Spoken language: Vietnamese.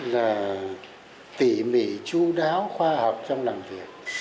là tỉ mỉ chú đáo khoa học trong làm việc